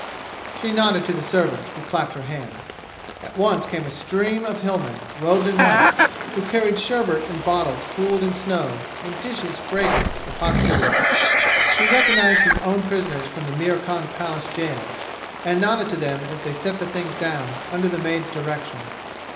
She nodded to the servant, who clapped her hands. At once came a stream of Hillmen, robed in white, who carried sherbet in bottles cooled in snow and dishes fragrant with hot food. He recognized his own prisoners from the Mir Khan Palace jail, and nodded to them as they set the things down under the maid's direction.